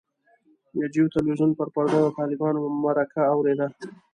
د جیو تلویزیون پر پرده د طالبانو مرکه اورېده.